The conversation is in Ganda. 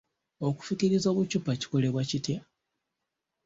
Okufukiriza obuccupa kikolebwa kitya?